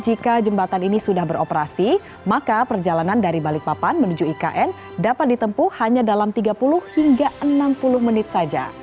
jika jembatan ini sudah beroperasi maka perjalanan dari balikpapan menuju ikn dapat ditempuh hanya dalam tiga puluh hingga enam puluh menit saja